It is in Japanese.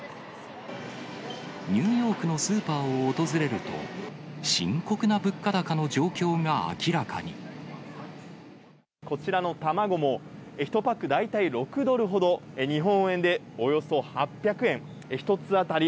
ニューヨークのスーパーを訪れると、深刻な物価高の状況が明らかこちらの卵も、１パック大体６ドルほど、日本円でおよそ８００円、１つ当たり